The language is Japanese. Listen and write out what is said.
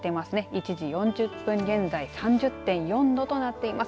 １時４０分現在３０．４度となっています。